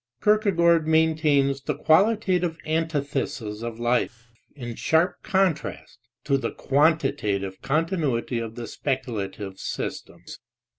Kierkegaard maintains the qualitative antitheses of life in sharp con trast to the quantitative continuity of the speculative systems.